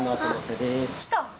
来た！